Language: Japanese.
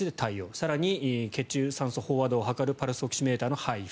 更に血中酸素濃度を測るパルスオキシメーターの配布。